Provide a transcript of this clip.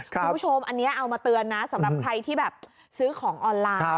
คุณผู้ชมอันนี้เอามาเตือนนะสำหรับใครที่แบบซื้อของออนไลน์